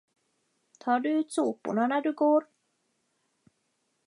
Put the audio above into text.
Tar du ut soporna när du går?